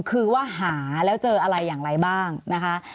คือว่าหาแล้วเจออะไรอย่างไรบ้างนะคะ